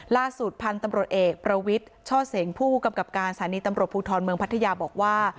ล่าสุดพันธุ์ตำรวจเอกประวิทย์ช่อเสงผู้กำกับการสถานีตำรวจภูทรเมืองพัทยาบอกว่า